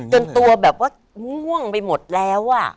จนตัวแบบว่าม่วงไปหมดแล้ว